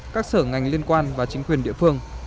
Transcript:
các sở ngành liên quan và chính quyền địa phương